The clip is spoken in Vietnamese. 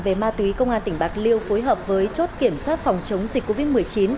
về ma túy công an tỉnh bạc liêu phối hợp với chốt kiểm soát phòng chống dịch covid một mươi chín